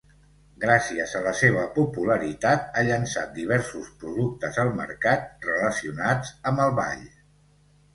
Gràcies a la seva popularitat ha llançat diversos productes al mercat relacionats amb el ball.